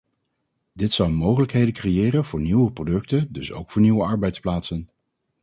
Dit zal mogelijkheden creëren voor nieuwe producten dus ook voor nieuwe arbeidsplaatsen.